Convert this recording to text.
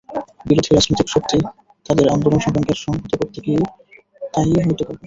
বিরোধী রাজনৈতিক শক্তি তাদের আন্দোলন-সংগ্রামকে সংহত করতে গিয়েও তাই-ই হয়তো করবে।